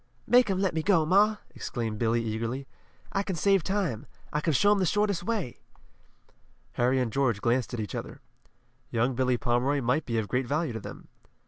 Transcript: "Make 'em let me go, ma!" exclaimed Billy, eagerly. "I can save time. I can show 'em the shortest way!" Harry and George glanced at each other. Young Billy Pomeroy might be of great value to them.